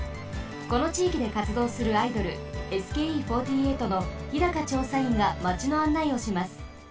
このちいきでかつどうするアイドルＳＫＥ４８の日高ちょうさいんがマチのあんないをします。